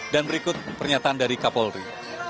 dan berikut pernyataan dari kapolri